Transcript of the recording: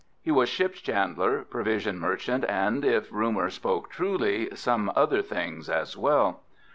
He was ship's chandler, provision merchant, and, if rumour spoke truly, some other things as well.